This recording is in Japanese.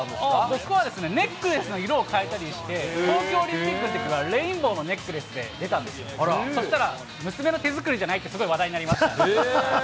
僕はですね、ネックレスの色を変えたりして、東京オリンピックのときはレインボーのネックレスで出たんですよ。そしたら娘の手作りじゃない？ってすごい話題になりました。